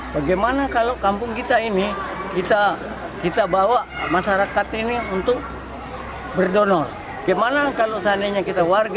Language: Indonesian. bagaimana kalau kampung kita ini kita kita bawa masyarakat ini untuk berdonor gimana kalau